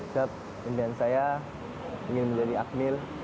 siap impian saya ingin menjadi akmil